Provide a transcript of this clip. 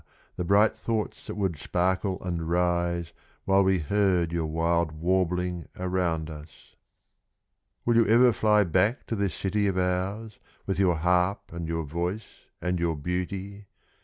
the bright thoughts that would sparkle and rise While we heard your wild warbling around us. Will you ever fly back to this city of ours With your harp and your voice and your beauty?